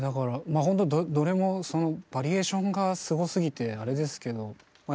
まあほんとどれもバリエーションがすごすぎてあれですけどま